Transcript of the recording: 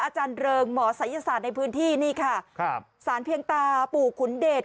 อาจารย์เริงหมอศัยศาสตร์ในพื้นที่นี่ค่ะครับสารเพียงตาปู่ขุนเดช